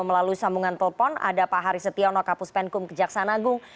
melalui sambungan telepon ada pak haris setiaw noka puspenkum kejaksanagung